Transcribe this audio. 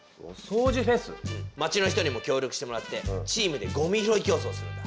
町の人にも協力してもらってチームでゴミ拾い競争をするんだ。